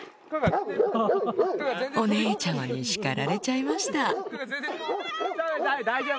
お姉ちゃまに叱られちゃいましたわぁ！